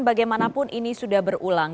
bagaimanapun ini sudah berulang